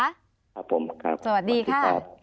สวัสดีค่ะ